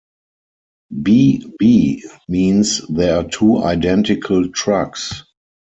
"B-B" means there are two identical trucks.